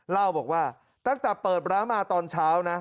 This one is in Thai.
เล่าบอกว่าตั้งแต่เปิดร้านมาตอนเช้านะ